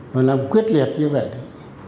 và làm quyết liệt như vậy